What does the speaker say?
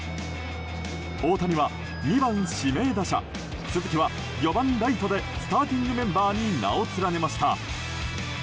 大谷は２番指名打者鈴木は４番ライトでスターティングメンバーに名を連ねました。